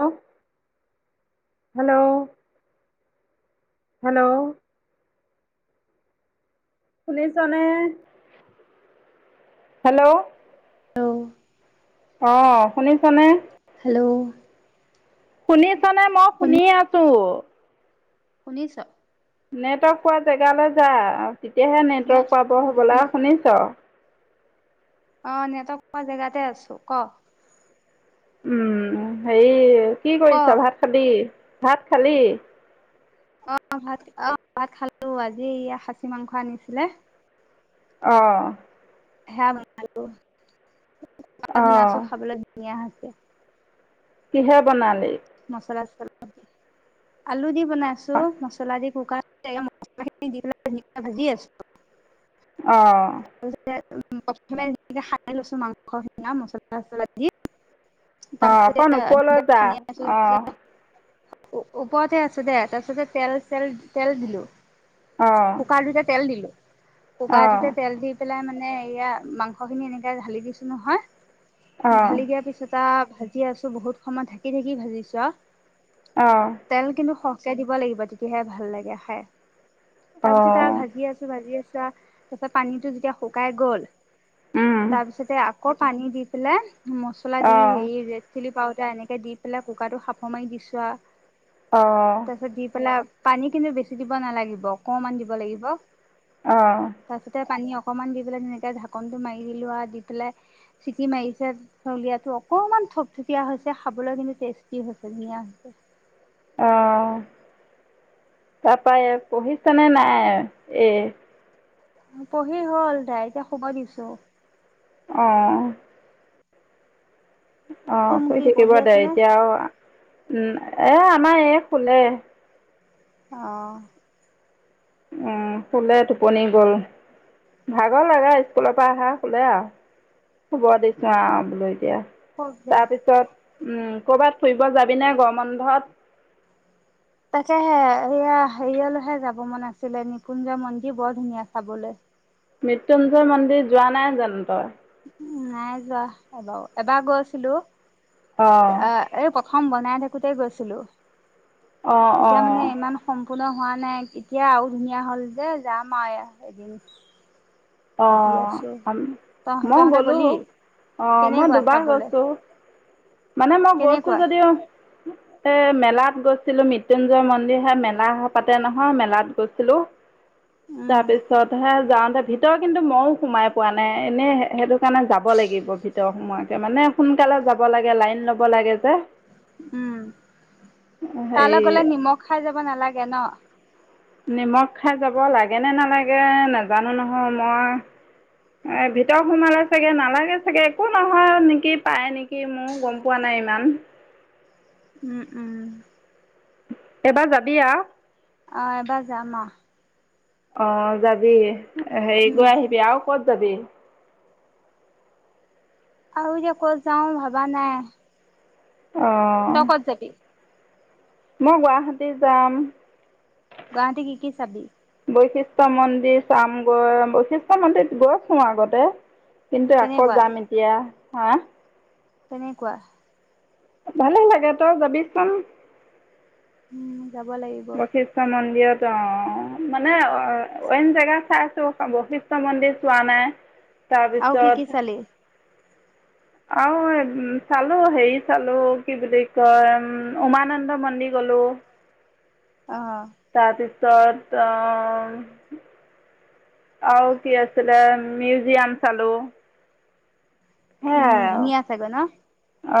এওঁ hello hello শুনিছনে hello. ল অ' শুনিছ নে? হেল্ল'। শুনিছ ছা নে মই শুনি শুনে আছো। শুনিছ? নেটৱৰ্ক পোৱা জেগালৈ যা। তেতিয়াহে নে নেটৱৰ্ক পাব হ'বলা শুনিছ? অ' নেটৱৰ্ক পোৱা জেগাতে আছো ক? উম হেই কি ক কৰিছ ভাত খালি? ভাত খালি? অ' ভাত আহ ভাত খালো আজি এইয়া খাচি মাংস আনিছিলে। অ' হেয়া বনালো। নাছো অ' খাবলে ধুনীয়া কিহে বনালি? মচলা, চছলা আলু দি। বনাইছো অ' মছলা দি। [unintelligible] মচলা খিনি দি পেলাই ভাজি আছো। অ' প্ৰথমে খানাই লৈছো মাংস সিঙা মছলা চছলা দি। অঁ তাৰপিছতে অকণ ওপলৈ যা সানি আছো অঁ। ওপৰতে আছো দে তাৰিাছতে তেলল তেল দিলো অ' কোক দুটা তেল দিলো। অ' কুকাৰ তুতে পেলাই মানে এয়া মাংস খিনি এনেকে ঢালি দিছো নহয় অ' ঢালি দিয়া পিছত আৰু ভাজি আছো বহুত সময় ঢাকি থঢাকি ভাজিছো আ। অ' তেল কিন্তু স চে দিব লাগিব তেতিয়াহে ভাল লাগে খাই। তাৰ পিছত আৰু অ' ভাজি আছো, ভাজি আছো ত [inaudible] তে পানীতটো যেতিয়া শুকাই গ'ল উম, তাৰপিছতে আ আকৌ পানী দি পেলাই মছলা দি, অ' হেই ৰেদ চিলি পাউ এয়া এনেকে দি পেলাই, কুকাৰটো সাফ মাৰি দিছো আৰু। অ', তা পিছত দী পলায় পানী কিন্তু বেছি দিব নালাগিব, অকমান দিব লাগিব অঁ। তাৰপিছতে পানী অকমান দি পেলাই ধুনীয়াকে ঢাকনটো মাৰি দিলো আৰু, দি পেলাই চেটি মাৰিছে চলিয়টো অকমান থপথপীয়া হৈছে খাবলৈ কিন্ত টেষ্টি হৈছে, ধুন অ তাৰাপৰা পঢ়িছনে নাই, এ'? পঢ়ি হ'ল ডাইৰতিয়া শুবৰ দিছো। অঁ। অঁ, শুই চুমকি থাকিব পঢ়ি দে। আছেনে? এতিয়া আৰু, উম' এ'আমাৰ এই সোলে। আহঁ। উম খুলে টোপনি গ'ল। ভাগৰ লাগে, স্কুলৰ পৰা আহা খুলে আৰু, শুব দিছো আৰু বোলো এতিয়া। শুৱক দে। তাৰ পিছত, উম' ক'ৰবাত ফুৰিব যাবিনে গৰ বন্ধত? তাকেহে এইয়া হেৰিয়লৈহে যাব মন আছিলে নিপুঞ্জ মন্দিৰ, বৰ ধুনীয়া চাবলৈ। মৃত্যুঞ্জয় মন্দিৰ যোৱা নাই জানো তই? উ' নাই যোৱা এবাৰ ও', এবাৰ গৈ আছিলো অ', এই খন বনাই থাকোতে গৈছিলো্ অ', তেতিয়া মানে অ'। ইমান সম সম্পূৰ্ণ হোৱা নাই। এতিয়া আৰু ধুনীয়া হ'ল যে যাম আৰু এদিন। ভাবি আছো অ' তহ মই তহঁতে গ'লো, গলি অ' মই কেনেকুৱা দুবাৰ চাবলৈ গৈছোঁ। মানে মই গৈছোঁ কেনেকুৱা যদিও এ মেলাত গৈছিলো মৃত্্যুঞ্জয় মন্দিৰ হে মেলা পাতে নহয় মেলাত গৈছিলো। উম তাৰপিছছত হে' য দ ভিত [unintelligible] ভিতৰ কিন্তু মইয়ও সোমাই পোৱা নাই। এনেই সেইটো কাৰণে যাব লাগিব ভিতৰ সোমোৱাকে, মানে সোনকালে যাব লাগে, লাইন লব লাগে যে উম' হেৰি তালৈ গলে নিমখ খাই যাব নালাগে ন? নিমখ খাই যাব লাগে নে নালাগে, নাজানো নহয় মই। ভিতৰ সোমালে চাগে নালাগে চাগে, একো নহয় নেকি পায় নেকি, মোৰ গম পোৱা নাই ইমান। উম উম। এবাৰ যাবি আ? অঁ এবা যায় আৰু। অ যাবি। হেৰি উম গৈ আহিবি আৰু, ক'ত কদে আৰু যে ক'ত যাওঁ ভাবা নাই অঁ তকত যাবি মই গুৱাহাটী যাম গুৱাহতে কি কি চাবি বৈশিষ্ট্য় মন্দিৰ চামগড বৈশিষ্ট্য় মন্দিৰিত গছো আগতে কিন্তু আকৌ কেনেকুৱা যাম এতিয়া হা তেনেককুৱা ভালে লাগে তই যাবিচোন উম যাব লাগিব বশিষ্ঠ মন্দিৰত অ মানে অ ন জেগা চাইছো বৈশিষ্টয় মন্দিৰ চোৱা নাই আৰু কি কি তাৰপিছত চালি অ চালো হেৰি চালো কি বুলি কয় উ উমানন্দ মন্দিৰ গলো অ তপ তছত আৰু কি আছিলে মিউজিয়াম চালোঁ উম ধুনীয়া চাগৈ ন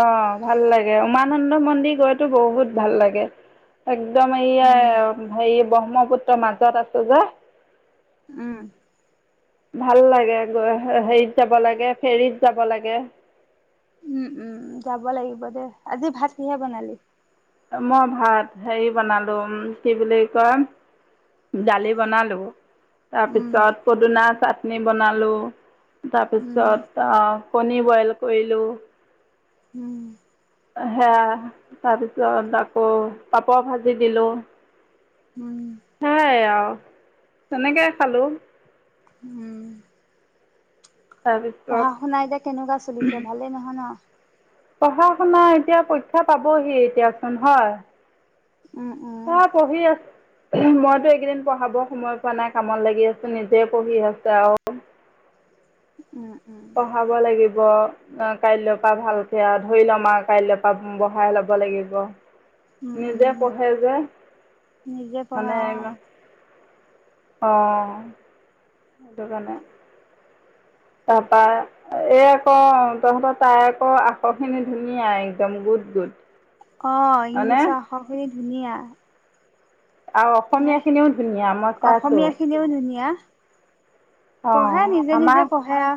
অ ভাল লাগে উমানন্দ মন্দিৰ গৈতো বহুত ভাল লাগে একদমে উম ভ ব্ৰহ্মপুত্ৰ মাজত আছো যে উম ভাল লাগে গ হেৰিত যাব লাগে ফেৰীত যাব লাগে উম উম যাব লাগিব দে আজি ভাত কিহে বনালি মই ভাত হেৰি বনালোঁ কি বুলি কয় দালি বনালোঁ উম তাৰপিছত পদুনা চ চাটনি বনালোঁ উম তাৰপিছত কণী বইল কৰিলোঁ উম সে তাৰপিছত আকৌ পাপৰ ভাজি দিলো উম তেনেকে খালো উম তাৰপিছত পঢ়া শুনা এতিয়া কেনেকুৱা চলিছে ভালেই নহয় ন পঢ়া শুনা এতিয়া পৰীক্ষা পাবহি এতিয়াচোন হয় উম উম। হ পহি আ মইতো এইকেইদিন পঢ়াব সময় পোৱা নাই কামত লাগি আছো নিজে পঢ়ি আছো আৰু উম উম পঢ়াব লাগিব ব অ কাইলৈ পা ভালকে আ ধৰি লম আ কাইল পা বহাই লব লাগিব। উম উম নিজে পঢ়ে যে, নিজে পঢ়ে মানে অ। অঁ সেইটো কাৰণে তাপা, এই আকৌ তহঁতৰ তাই আকৌ আখৰ খিনি ধুনীয়া একদম গুড গুড। অঁ হয়নে ইংলিছৰ আখৰ খিনি ধুনীয়া আৰু হে অসমীয়া খিনিও ধুনীয়া মই চাইছো অসমীয়া খিনিও ধুনীয়া। অ পঢ়ে নিজে আমাৰ নিজে পঢ়ে আ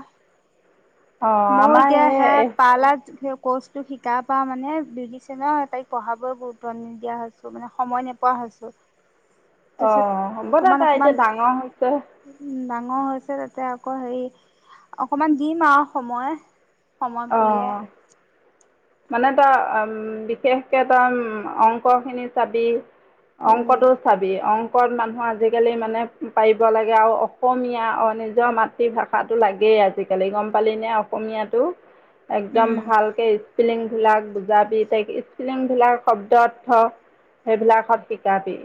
অ মই আমাৰ এতিয়াহে এই পা লাত কৰ্চটো শিকা পা মানে বিউটিচিয়নৰ তাইক পঢ়াবলৈ গুৰুত্ব নিদিয়া হৈছো মানে সময় নোপোৱা হৈছো। অ তাৰপিছত অ হ'ব দে অকমান তাই অকমান এতিয়া ডাঙৰ হৈছে ডাঙৰ হৈছে তাতে আকৌ হেই, অকমান দিম আ সময় সময় পুলিয়ে অ মানে তই অম বিশেষকে তই উম অংকখিনি চাবি উম। অংকটো চাবি অংক চব মানুহৰ আজিকালি মানে পাৰিব লাগে আৰু অসমীয়া নিজৰ মাতৃভাষাটো লাগেই আজিকালি গম পালিনে, অসমীয়াটো। একদম উম ভালকে স্পিলিংবিলাক বুজাবি তাইক স্পিলিং বিলাক শব্দৰ্থ সেইবিলাকত শিকাবি।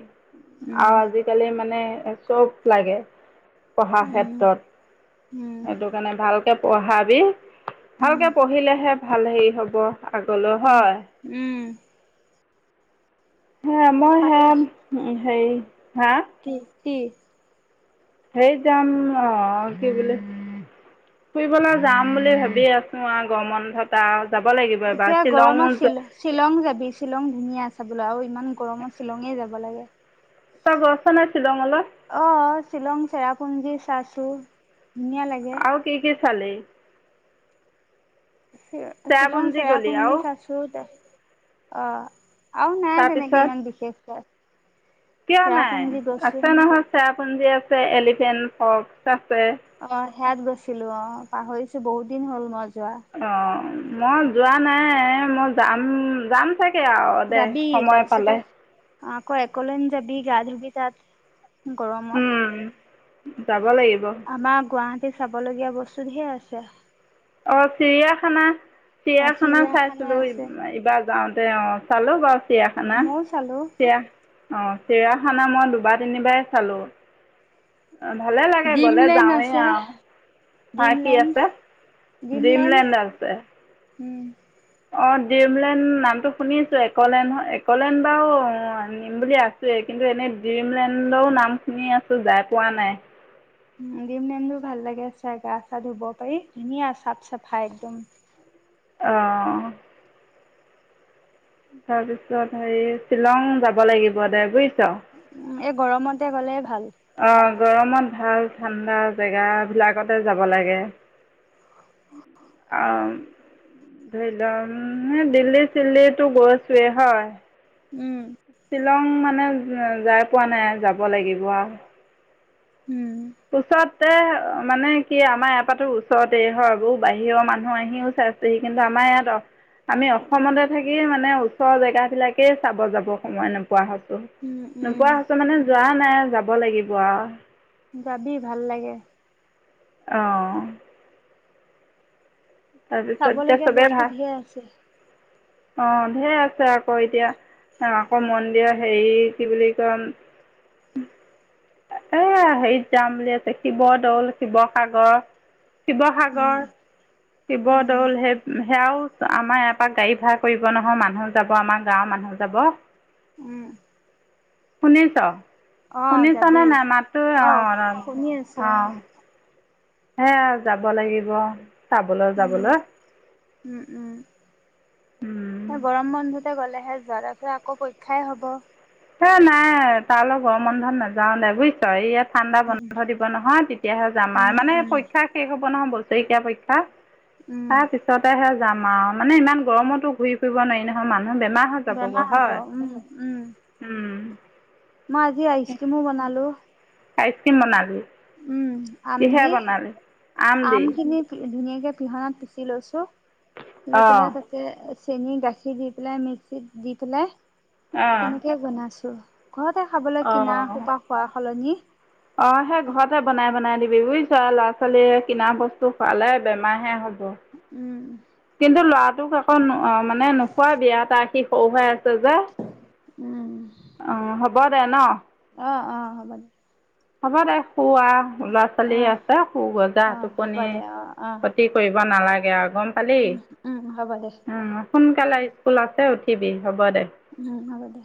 আও উম আজিকালি মানে চব লাগে পঢ়াৰ উম ক্ষেত্ৰত, উম সেইটো কাৰণে ভালকে পঢ়াবি উম ভালকে পঢ়িলেহে ভাল হেই হব প আগলৈ উম হয় উম হে মই হেম হেই হা টি সেই যাম অঁ কি বুলি, ফুৰিবলৈ যাম বুলি ভাবি আছো আ গৰমন্ধতা আও এতিয়া গৰমত শ্বি শ্বিলং যাবি শ্বিলং ধুনীয়া আছে। চাবলে আও ইমান গৰমত শ্বিলঙে যাব লাগে ত গছ নত শ্বিলং অলে অ শ্বিলং, চেৰাপুঞ্জী, চাছু। ধুনীয়া লাগে। চালে? শ্বিলং, চেৰাপুঞ্জী শেৰা গলি পুঞ্জি, আৰু চাচুত অ। আৰু নাই তেনেকে তাৰপিছত ইমান বিশেষকে। কিয় নাই আছে নহয় চ পুঞ্জি আছে এলিফেণ্ট ফক্স আছে অ', সেয়াত গৈছিলো অ', পাহৰিছো বহুত দিন হ'ল মই যোৱা অ। মই যোৱা নাই মই যাম যাম চাগে আৰু দে যাবি সময় তাৰপিছতে পালে অ', আকৌ অকলেণ্ড যাবি গা ধোগী তাত। গৰমত। উম যাব লাগিব আমাৰ গুৱাহাট টি চাবলগীয়া বস্তু ধেৰ আছে। অ', চিৰিয়াখানা। চিৰিয়াখানা চিৰিয়াখানা চাইছিলো আছে এইবাৰ যাওঁতে। তে অ, চালো বছ চিয়াখানা ময়ো চালো চিয়া অ', চিৰিয়াখানা মই দুবাৰ তিনিবাৰ চালো। ভালে লাগে গ'লে ডিমলেণ্ড আছে যাওঁৱেইৱাও, হা কি ডিমলেণ্ড আছে? ডিমলেণ্ড ড্ৰিমলেণ্ড আছে। উম। অ ড্ৰিমলেণ্ড নামটো শুনিছো একলেণ্ড একলেণ্ড বাৰু নিম বুলি আছোৱেই কিন্তু এনেই ড্ৰিমলেণ্ডও নাম শুনি আছো যাই পোৱা নাই। উ, দিমলেনো ভাল লাগে চাই গা চা ধুব পাৰি ধুনীয়া চাফ চাফাই একদম। অ। তাৰ পিছত হেৰি শ্বিলং যাব লাগিব দে বুইছ। উম, এই গৰমতে গ'লে ভাল। অঁ গৰমত ভাল ঠাণ্ডা জেগাবিলাকতে যাব লাগে। অ', ধৰি ল দিল্লী চিল্লীটো গৈছোৱেই হয়। উম চিলং মানে উ যাই পোৱা নাই যাব লাগিব আ। উম উচত তে মানে কি আমাৰ ইয়াৰপাতো ওচৰতেই হয় বৌ বাহিৰৰ মানুহ আহিও চাইচেহি কিন্তু আমাৰ ইয়াত আমি অসমতে থাকি মানে ওচৰৰ জেগাবিলাকেই চাব যাব সময় নোপোৱা হ উম উম নোপোৱা হৈছে মানে যোৱা নাই যাব লাগিব আৰু। যাবি ভাল লাগে। অ' এতিয়া চাবলগীয়া বস্তু ধে আছে। অ' ঢেৰ আছে আকৌ এতিয়া অ' আকৌ মন্দিৰ হেৰি কি বুলি কয় এ হেৰিত যাম দে শিৱ দৌল, শিৱ সাগৰ উম শিৱসাগৰ, উম শিৱদৌল হেব সেয়াও আমাৰ ইয়াৰ পৰা গাড়ী ভাড়া কৰিব নহয় মানুহ যাব আমাৰ গাঁৱৰ মানুহ যাব। উম শুনিছ? অ' শুনিছনে যাবি নাই মাতটো অ' অৰ শুনি আছোঁ অ'। হেৱা যাব লাগিব। চাবলৈ, উম, যাবলৈ উম, উম। এ উম গৰম বন্ধত গ'লেহে যোৱা তাৰ পিছত আকৌ পৰীক্ষাই হব। হে নাই তালৈ গৰম বন্ধন নাযাও দে বুজিছ ইয়াত ঠাণ্ডা উম, বন্ধ দিব নহয় তেতিয়াহে যাম আ উম, মানে উম, পৰীক্ষা শেষ হ'ব কণ বছেৰেকীয়া পৰীক্ষা। উম, তা পিছতে হে যাম আৰু মানে ইমান গৰমতো ঘূৰি ফুৰিব নোৱাৰি নহয় মান জনান হ'ব উম, উম। উম। মই আজি আইচক্ৰীমো বনালো। আ চিম মণালী আম কিহে দি বনালি? দি আমখিনি ধুনীয়াকে পিহনাত পিচি লৈছো পলা অঁ পেলা ততে চেন গাখীৰ দি পেলাই মিক্সিত দি পেলাই অঁ তেনেকে বনাইছো। ঘৰতে খাবলৈ কিনা সোপা খোৱা সলনি অ' সেই ঘৰতে বনাই, বনাই দিবি বুজিছ ল সফালে কিনা বস্তু টো খালে, বেমাৰ হে হ' উম, কিন্তন্তু লৰা তোক আকৌ, মানে নোখোৱা বিয়া এটা সি সৰু হৈ আ যে। উম, অঁ হ'ব দে ন। অ', অ' হ'ব দ। হ'ব দে। খুৱা ল'ৰা ছোৱালী অ', আছে, সু গৈ জা, অ', হ'ব টোপনি দে অ', অ', ক্ষতি কৰিব নালাগে আৰু গম পালি, উম, উম, হ'ব দে, সোনকালে স্কুল আছে উঠ থাকিবি হ'ব দে। উম হব দে।